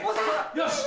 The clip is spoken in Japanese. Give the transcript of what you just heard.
よし！